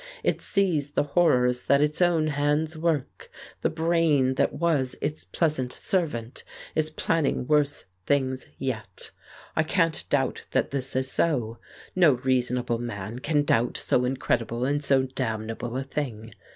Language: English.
It sees the horrors that its own hands work; the brain that was its pleasant servant is planning worse things yet. I can't doubt that this is so. No reasonable man can doubt so incredible and so damnable a thing.